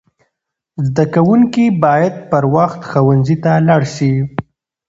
زده کوونکي باید پر وخت ښوونځي ته لاړ سي.